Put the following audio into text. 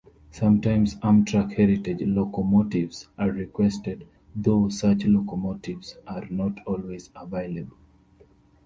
Sometimes Amtrak Heritage Locomotives are requested, though such locomotives are not always available.